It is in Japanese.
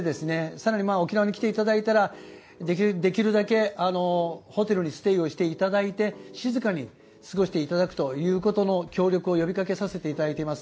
更に、沖縄に来ていただいたらできるだけホテルにステイしていただいて静かに過ごしていただくということの協力を呼びかけさせていただいています。